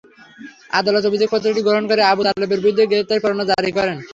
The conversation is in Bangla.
আদালত অভিযোগপত্রটি গ্রহণ করে আবু তালেবের বিরুদ্ধে গ্রেপ্তারি পরোয়ানা জারি করেন।